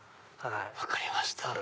分かりました